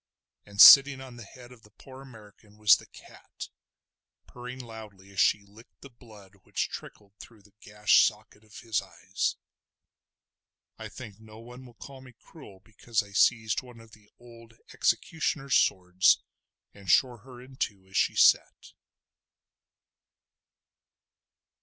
And sitting on the head of the poor American was the cat, purring loudly as she licked the blood which trickled through the gashed socket of his eyes. I think no one will call me cruel because I seized one of the old executioner's swords and shore her in two as she sat.